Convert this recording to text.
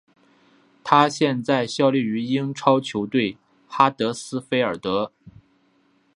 他现在效力于英超球队哈德斯菲尔德。